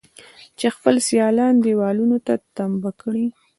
چې خپل سيالان دېوالونو ته تمبه کړي.